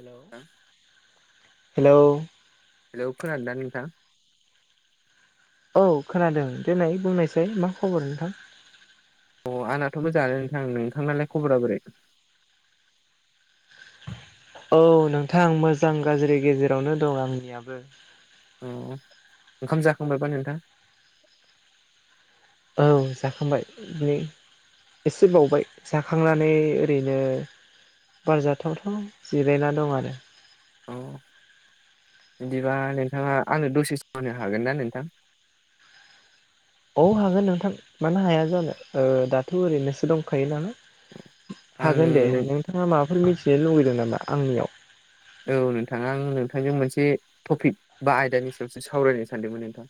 Hello, hello! Hello खोनादों ना नोंथां? औ खोनादों दिनै बुंनायसाय मा खबर नोंथां। अ आंनाथ' मोजाङानो नोंथां। नोंथांनालाय खबरा बोरै? औ नोंथां मोजां गाज्रि गेजेरावनो दं आंनियाबो। ओम। ओंखाम जाखांबायबा नोंथां? औ जाखांबाय ब्ले एसे बावबाय जाखांनानै ओरैनो बार जाथावथाव जिरायना दं आरो। अ बिदिबा नोंथाङा आंनो दसे समो हागोन ना नोंथां? औ हागोन नोंथां मानो हाया जानो, ओ दाथ' ओरैनोसो दंखायो नालाय। आं हागोन दे। नोंथाङा माबाफोर मिथिनो लुबैदों नामा आंनियाव। औ नोंथाङा आं नोंथांजों मोनसे टपिक बा आयदानि सायावसो सावरायनो सानदोंमोन नोंथां।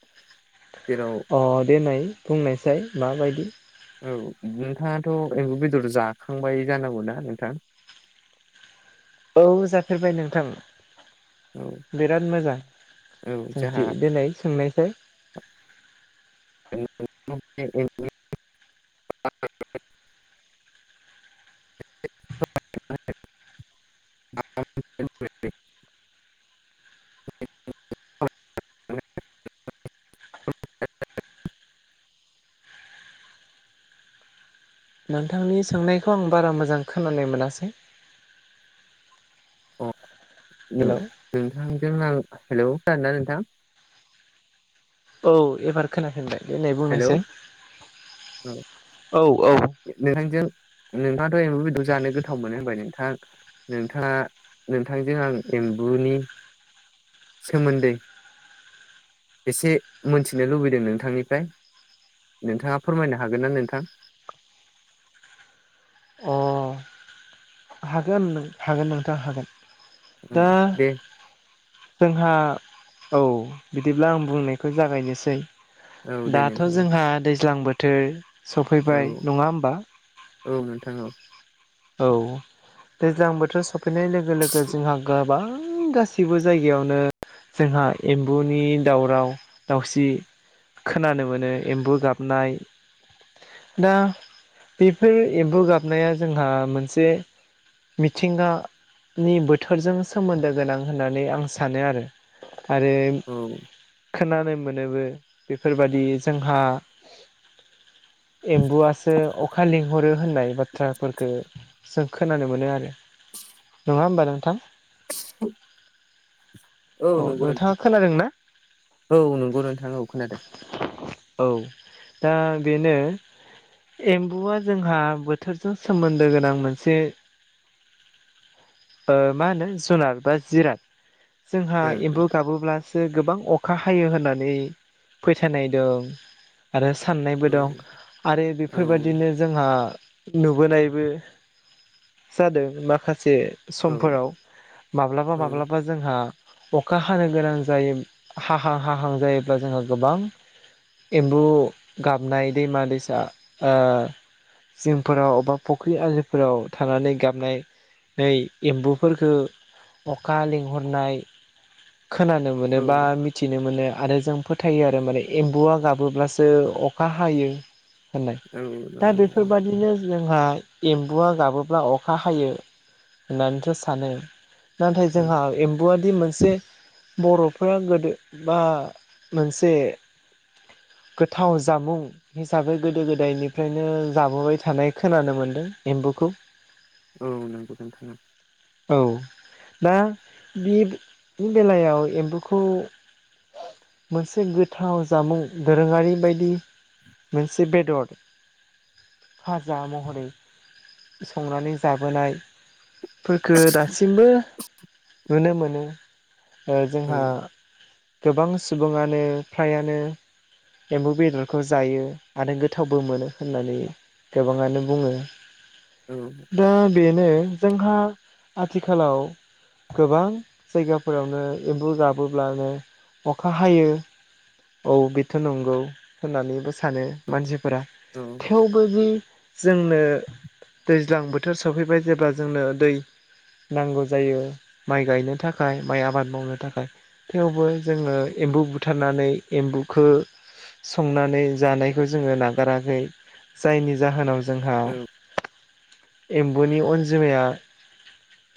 जेराव अ दोनाय बुंनायसाय माबायदि। औ नोंथाङाथ' एम्बु बेदर जाखांबाय जानांगौना नोंथां? औ जाफेरबाय नोंथां औ बिराद मोजां औ जोंहा सोंथि दिनै सोंनायसाय [unintelligible] नोंथांनि सोंनायखौ आं बारा मोजां खोनानाय मोनासै हेलौ नोंथांजों आं हेलौ सार ना नोंथां औ एबार खोनफिनबाय दनाय हेलौ बुंनोसै औ औ औ नोंथांजों नोंथाङाथ' एमब बेदर जानो गोथाव मोनो होनबाय नोंथां नोंथाङा नोंथांजों आं एम्बुनि सोमोन्दै एसे मोनथिनो लुबैदों नोंथांनिफ्राय नोंथाङा फोरमायनो हागोन ना नोंथां अ हागोन नों हागोन नोंथां हागोन औ दा दे जोंहा औ बिदिब्ला आं बुंनायखौ जागायनोसै औ दे दाथ' नोंथां दे जोंहा दैज्लां बोथोर औ सफैबाय नङा होमबा औ नोंथाङ औ औ दैज्लां बोथोर सफैनाय लोगो लोगो जोंहा गोबां गाससि गासैबो जायगायावनो जोंहा एम्बुनि दावराव दाावसि खोनानो मोनो एम्बु गाबनाय दा बेफोर एम्बौ गाबनाया जोंहा मोनसे मिथिंगानि बोथोरजों सोमोन्दो गोनां होननानै आं सानो आरो आरो औ खोनानो मोनोबो बेफोर बायदि जोंहा एम्बुआसो अखा लिंहरो होननाय बाथ्राफोरखौ जों खोनानो मोनो आरो नङा होमबा नोंथां [unintelligible] औ नंगौ नोंथाङा खोनादोंना नोंथां औ नंगौ नोंथां औ खोनादों औ दा बेनो एम्बुआ जोंहा बोथोरजों सोमोन्दो गोनां मोनसे मा होनो जुनार बा जिराद जोंहा ओं एमबु गाबोब्लासो गोबां अखा हायो होननानै फोथायनाय दं आरो साननायबो औ दं आरो औ बेफोरबायादिनो जोंहा नुबोनायबो जादों माखासे समफोराव औ माब्लाबा माब्लाबा जोंहा अखा हानो गोनां जायो हाहां हाहां जायोब्ला जोंहा गोबां एम्बु गाबनाय दैमा दैसा जिंफोराव बबा फुख्रि आजलिफोराव थानानै गाबनाय नै एम्बुफोरखौ अखा लेंंहरनाय खोनानो औ मोनोब बा मिथिनो मोनो आरो जों फोथायो आरो माने एम्बुआ गाबोब्लासो अखा हायो होननाय औ दा नंगौ बेफोरबादिनो जोंहा एम्बुआ गाबोब्ला अखा हायो होननानैसो सानो नाथाय औ जोंहा एम्बुआादि मोनसे मोनसे बर'फोरा गोदो बा मोनसे गोथाव जामुं हिसाबै गोदो गोदायनिफ्रायनो जाबोबाय थानाय खोनानो मोन्दों एम्बुखौ औ नंगौ नोंथाङा औ दा बेनि बेलायाव एम्बौखौ मोनसे गोथाव जामुं दोरोङारि बायदि मोनसे बेदर भाजा महरै संनानै जाबोनाय फोरखो दासिमबो नुनो मोनो औ जोंहा गोबां सुबुङानो फ्रायानो एम्बु बेदरखौ जायो आरो गोथावबो मोनो होननानै गोबाङानो बुंङो औ दा बेनो जोंहा आथिखालाव गोबां जायगाफोरावनो एम्बु गाबोब्लानो अखा हायो औ बेथ नंगौ होननानैबो सानो मानसिफोरा औ बेखौ बि जोंनो दैज्लां बोथोर सफैबाय जेब्ला जोंनो दै नांगौ जायो माइ गायनो थाखाय माइ आबाद मावनो थाखाय थेवबो जोङो एम्बु बुथारनानै एम्बुखौ संनानै जानायखौ जोंङो नागाराखै जायनि जाहोनाव जोंहा एम्बुनि अनजिमाया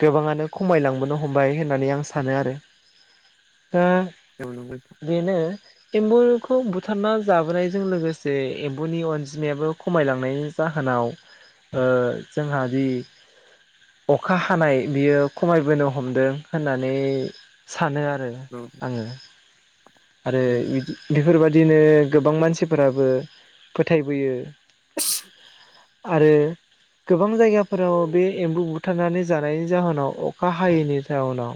गोबाङानो खमायलांबोनो हमबाय होननानै आं सानो आरो [unintelligible] [unintelligible] बेनो एम्बुखौ बुथारना जाबोनायजों लोगोसे एम्बुनि अनजिमायाबो खमायलांनायनि जाहोनाव जोंहा दि अखा हानाय बियो खमायबोनो हमदों होननानै सानो आरो आंङो आरोदि बेफोरबादिनो गोबां मानसिफोराबो फोथायबोयो आरो गोबां जायगाफोराव बे एम्बु बुथ हाबथानानै जानायनि जाहोनाव अखा हायैनि जाहनाव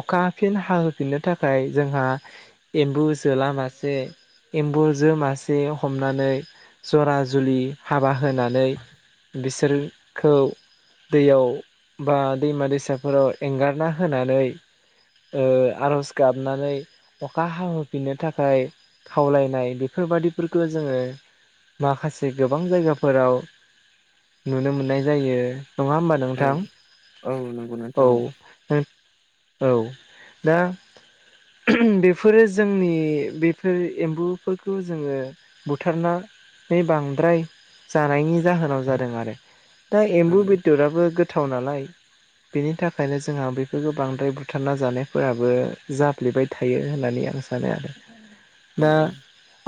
अखा फिन हाहोफिननो थाखाय जोंहा एम्बु सोला मसे एम्बुजों मासे हमनानै जरा जुलि हाबा होनानै बिसोरखौ दैयाव बा दैमा दैसाफोराव एंगारना होनानै आर'ज गाबनानै अखा हाहोफिननो थाखाय खावलायनाय बेफोरबादिफोरखौ जोङो माखासे गोबां जायगाफोराव नुनो मोननाय जायो नङा होमबा औ नोंथां औ नंगौ औ नोंथां न औ दा बेफोरो जोंनि बेफोर एम्बुफोरखौ जोङो बुथारनानै बांद्राय जानायनि जाहोनाव जादों आरो दा औ एम्बु बेदराबो गोथाव नालाय बेनि थाखायनो जोंहा बेफोरो बांद्राय बुथारना जानायफोराबो जाफ्लेबाय थायो होननानै आं सानो आरो औ दा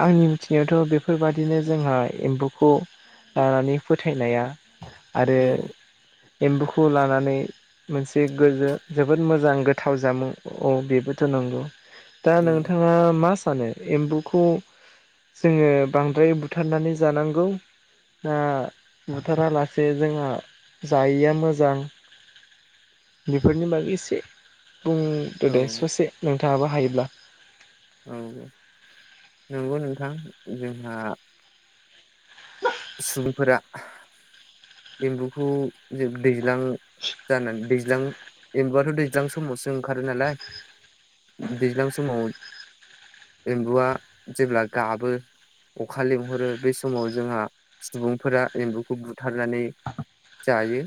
आंनि मिथिनायावथ' बेफोरबादिनो जोंहा एम्फौखौ लानानै फोथायनाया आरो औ एम्बुखौ लानानै मोनसे गोजो जोबोद मोजां गोथाव जामुं औ बेबोथ' नंगौ दा नोंथाङा मा सानो एम्बुखौ जोंङो बांद्राय बुथारनानै जानांगौ दा बुथारालासे जोंहा जायैया मोजां बेफोरनि बागै एसे बुं द औ दे ससे नोंथाङाबो हायोब्ला औ नंगौ नोंथां जोंहा सुबुंफोरा एम्बुखौ जोब दैज्लां जानानै दैज्लां एबाथ' दैज्लां समावसो ओंखारो नालाय दैज्लां समाव एम्बुआ जेब्ला गाबो अखा लिंहरो बे समाव जोंहा सुबुंफोरा एम्बुखौ बुथारो फनानै जायो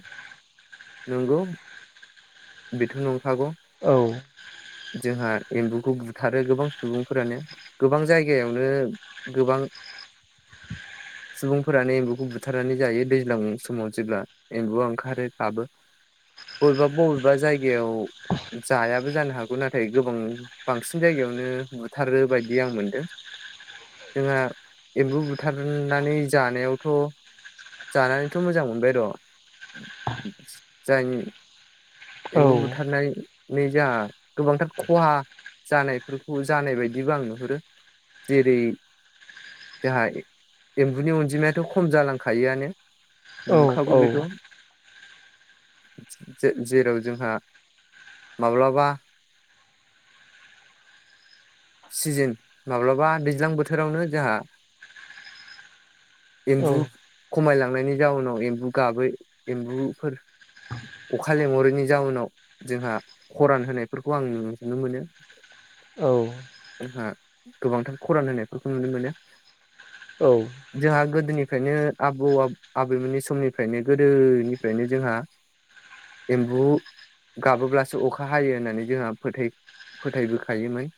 नंगौ बेथ नुखागौ औ जोंहा एम्बुखौ बुथारो गोबां सुबुंफोरानो गोबां जायगायावनो गोबां सुबुंफोरानो एम्बुखौ बुथारनानै जायो दै सिगांनि समाव जेब्ला एमबु ओंखारो दाबो बबेबा बबेबा जायगायाव जायाबो जानो हागौ नाथाय गोबां बांसिन जायगायावनो बुथारो बायदि आं मोनदों जोंहा एम्बु बुथारनानै जानायावथ' जानानैथ' मोजां मोनबाय र' जायनि औ एम्बु बुथारनायनि जों गोबांथार खहा जानायफोरखौ जानाय बायदिबो आं नुहुरो जेरै जोंहा एम्बुनि अनजिमायाथ' खम जालांखायोआनो औ नंखागौ औ बेथ' जे जेराव जोंहा माब्लाबा सिजोन माब्लाबा दैज्लां बोथोरावनो जोंहा औ एम्बु खमायलांनायनि जाउनाव एम्बु गाबै एम्बुफोर फालेंहरैनि जाउनाव जोंहा खरान होनायफोरखौ आं न नुनो मोनो औ जोंहा गोबांथार खरान होनायफोरखौ नुनो मोनो औ जोंहा गोदोनिफ्रायनो आबौ आबैमोननि समनिफ्रायनो गोदोनिफ्रायनो जोंहा एम्बु गाबोब्लासो अखा हायो होननानै जोंहा फोथायै फोथायबोखायोमोन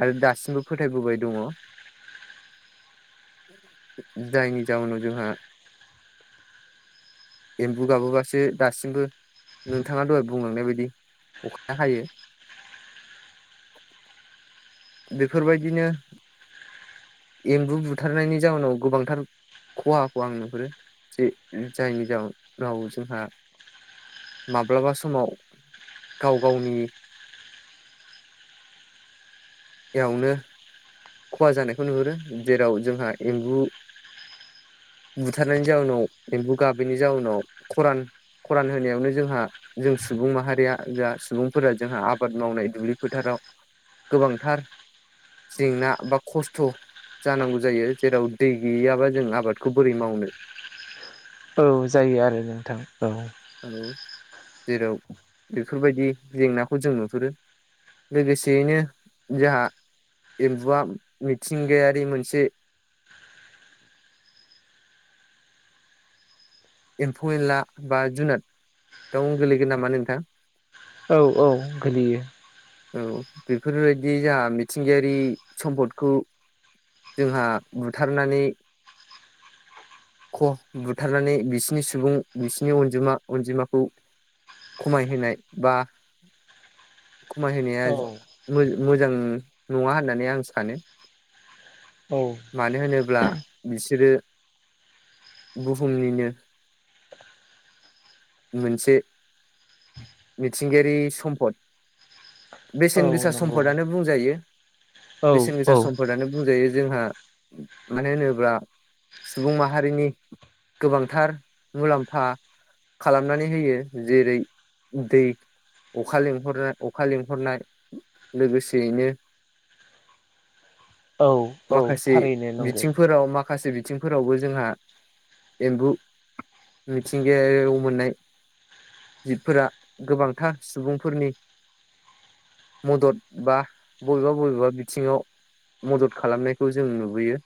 आरो दासिमबो फोथायबोबाय दङ जायनि जाउनाव जोंहा एम्बु गाबोबासो दासिमबो नोंथाङा दहाय बुंलांनाय बायदि अखाया हायो बेफोरबायदिनो एम्बु बुथारनायनि जाउनाव गोबांथार खहाखौ आं नुहुरो जे जायनि जा राव जोंहा माब्लाबा समाव गाव गावनि एवनो खहा जानायखौ नुहुरो जेराव जोंहा एम्बु बुथारनायनि जाउनाव एम्बु गाबैनि जाउनाव खरान खरान होनायावनो जोंहा जों सुबुं माहारिया जा सुबुंफोरा जोंहा आबाद मावनाय दुब्लि फोथाराव गोबांथार जेंना बा खस्थ' जानांगौ जायो जेराव दै गैयैयाबा जों आबादखौ बोरै मावनो [inaudible] औ जायो आरो नोंथां औ औ जेराव बेफोरबायदि जेंनाखौ जों नुहुरो लोगोसेयैनो जोंहा एम्बुआ मिथिंगायारि मोनसे एम्फौ एनला बा जुनाद दयाव गोलैगोन नामा नोंथां औ औ गोलैयो। औ बेफोरबायदि जाहा मिथिंगायारि सम्पदखौ जोंहा बुथारनानै बुथारनानै बिसिनि सुबुं बिसिनि अनजिमा अनजिमाखौ खमायहोनाय बा खमायहोनाया औ मोजां नङा होननानै आं सानो। औ मानो होनोब्ला बिसोरो बुहुमनिनो मोनसे मिथिंगायारि सम्पद। औ बेसेन गोसा नंगौ सम्पदनो बुंजायो औ बेसेन गोसा औ समफोरानो बुंजायो जोंहा मानो होनोब्ला सुबुं माहारिनि गोबांथार मुलाम्फा खालामनानै होयो। जेरै- दै अखा लेंहरनाय अखा लिंहरनाय लोगोसेयैनो औ औ माखासे थारैनो नंगौ बिथिंफोराव माखासे बि थिंफोरावबो जोंहा एम्बु मिथिंगायारि मोननाय जिबफोरा गोबांथार सुबुंफोरनि मदद बा बबेबा बबेबा बिथिङाव मदद खालामनायखौ जों नुबोयो।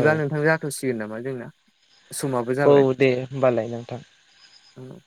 औ नोंथां जाथ'सिगोन नामा जोंना? समाबो औ जाबाय दे होमबालाय नोंथां औ।